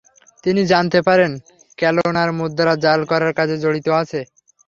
তিনি জানতে পারেন, ক্যালোনার মুদ্রা জাল করার কাজে জড়িত আছে।